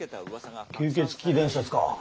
あっ吸血鬼伝説か。